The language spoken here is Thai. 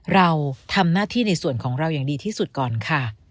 เราทำหน้าที่ในส่วนของเราอย่างดีที่สุดก่อนค่ะ